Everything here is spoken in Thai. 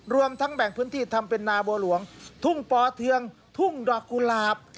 รวมทั้งแบ่งพื้นที่ทำเป็นนาบัวหลวงทุ่งปอเทืองทุ่งดอกกุหลาบ